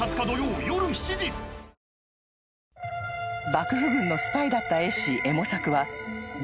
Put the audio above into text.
［幕府軍のスパイだった絵師右衛門作は］